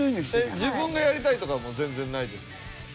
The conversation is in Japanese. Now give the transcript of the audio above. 自分がやりたいとかも全然ないですか？